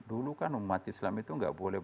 dulu kan umat islam itu nggak boleh